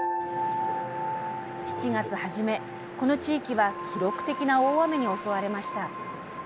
７月初めこの地域は記録的な大雨に襲われました。